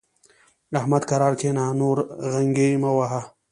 احمد؛ کرار کېنه ـ نورې غنګۍ مه وهه.